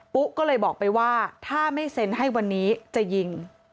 ปุ๊ก็เลยบอกไปว่าถ้าไม่เซ็นให้วันนี้จะยิง